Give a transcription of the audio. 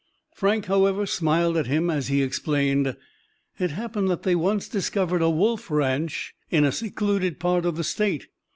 Frank, however, smiled at him, as he explained: "It happened that they once discovered a wolf ranch in a secluded part of the State.